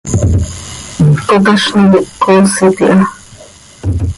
Cocazni quih coosit iha.